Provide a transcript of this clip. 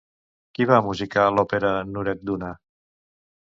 Qui va musicar l'òpera Nuredduna?